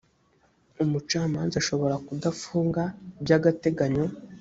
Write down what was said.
umucamanza ashobora kudafunga by agateganyo